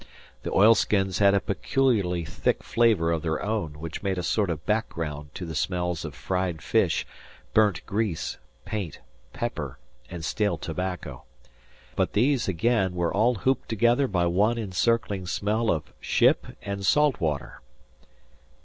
The oilskins had a peculiarly thick flavor of their own which made a sort of background to the smells of fried fish, burnt grease, paint, pepper, and stale tobacco; but these, again, were all hooped together by one encircling smell of ship and salt water.